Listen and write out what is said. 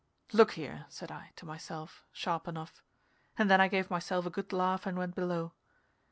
"Look here!" said I to myself, sharp enough; and then I gave myself a good laugh and went below.